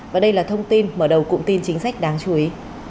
và đây là thông tin mở đầu cụm tin chính sách đáng chú ý